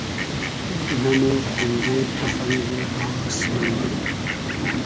نۂ مۉ خۉندې توفئنگ و داس مئندی